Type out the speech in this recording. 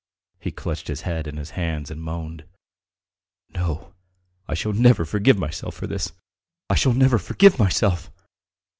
He clutched his head in his hands and moaned. "No, I shall never forgive myself for this! I shall never forgive myself!